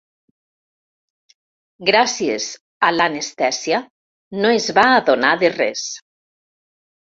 Gràcies a l'anestèsia no es va adonar de res.